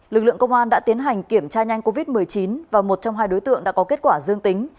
lực lượng công an đã tiến hành kiểm tra nhanh covid một mươi chín và một trong hai đối tượng đã có kết quả dương tính